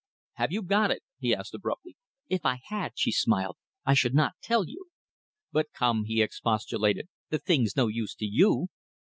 "Have you got it?" he asked abruptly. "If I had," she smiled, "I should not tell you." "But come," he expostulated, "the thing's no use to you."